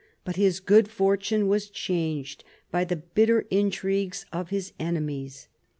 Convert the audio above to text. But his good fortune was changed by the bitter intrigues of his enemies.